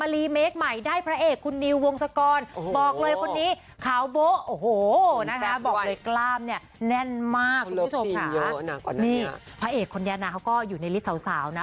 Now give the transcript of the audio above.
นี่พระเอกคนนี้นะเขาก็อยู่ในลิสต์สาวนะ